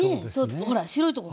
ほら白いとこ